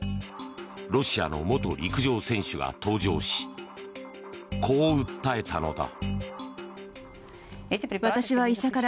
ロシアの元陸上選手が登場しこう訴えたのだ。